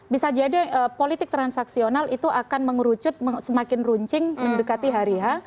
bisa jadi politik transaksional itu akan mengerucut semakin runcing mendekati hari h